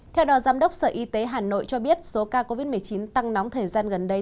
theo đó giám đốc sở y tế hà nội cho biết số ca covid một mươi chín tăng nóng thời gian gần đây